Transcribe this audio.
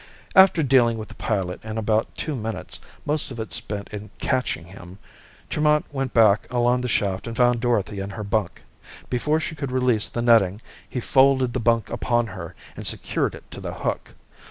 After dealing with the pilot in about two minutes, most of it spent in catching him, Tremont went back along the shaft and found Dorothy in her bunk. Before she could release the netting, he folded the bunk upon her and secured it to the hook.